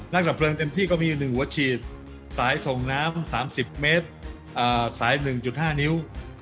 ดับเพลิงเต็มที่ก็มี๑หัวฉีดสายส่งน้ำ๓๐เมตรสาย๑๕นิ้ว